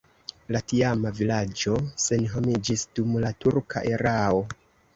La tiama vilaĝo senhomiĝis dum la turka erao.